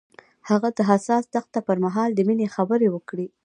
هغه د حساس دښته پر مهال د مینې خبرې وکړې.